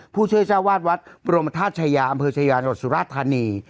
ผู้ช่วยเจ้าวาดวัดบรมธาตุชายาอำเภอชายานดสุราธานี